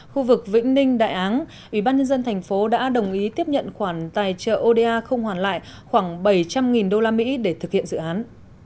khu vực vĩnh ninh đại áng ủy ban nhân dân thành phố đã đồng ý tiếp nhận khoản tài trợ oda không hoàn lại khoảng bảy trăm linh usd để thực hiện dự án